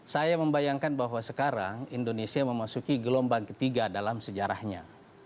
saya membayangkan bahwa sekarang indonesia memasuki gelombang ketiga dalam sejarahnya